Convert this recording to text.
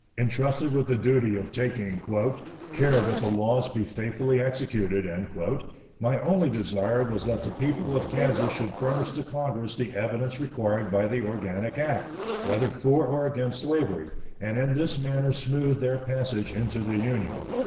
Intrusted with the duty of taking "care that the laws be faithfully executed," my only desire was that the people of Kansas should furnish to Congress the evidence required by the organic act, whether for or against slavery, and in this manner smooth their passage into the Union.